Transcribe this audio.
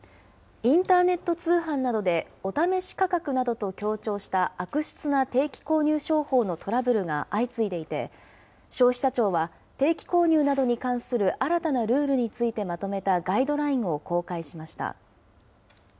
インターネット通販などで、お試し価格などと強調した悪質な定期購入商法のトラブルが相次いでいて、消費者庁は、定期購入などに関する新たなルールについてまとめたガイドラインを公開しました。